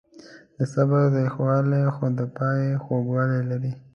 د صبر تریخوالی خو د پای خوږوالی لري.